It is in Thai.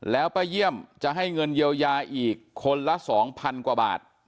แล้วป้าเยี่ยมจะให้เงินเยียวยาอีกคนละ๒๐๐๐กว่าบาท